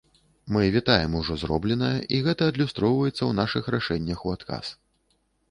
Мы вітаем ужо зробленае, і гэта адлюстроўваецца ў нашых рашэннях у адказ.